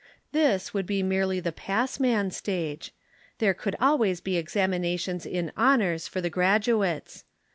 This would be merely the passman stage; there could always be examinations in honors for the graduates.